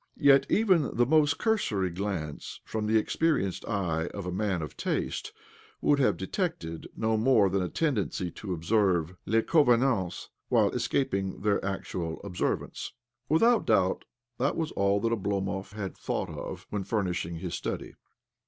Yet even the most cursory glance from the experienced eye of a man of taste would have detected no more than a tendency to observe les convenances while escaping their actual observance. Without doubt that was all that Oblomov had thought of when furnishing his study.